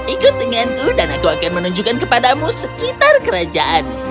ikut denganku dan aku akan menunjukkan kepadamu sekitar kerajaan